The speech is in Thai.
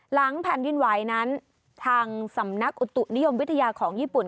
หลังแผ่นดินไหวนั้นทางสำนักอุตุนิยมวิทยาของญี่ปุ่น